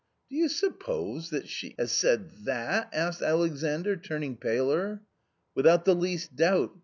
"Do you suppose — that she — has said that?" asked Alexandr, turning paler. " Without the least doubt.